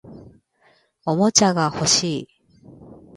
おもちゃが欲しい